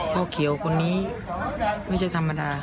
เขียวคนนี้ไม่ใช่ธรรมดา